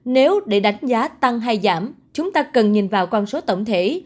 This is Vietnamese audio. nếu để đánh giá tăng hay giảm chúng ta cần nhìn vào con số tổng thể